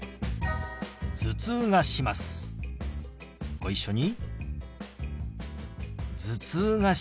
ご一緒に。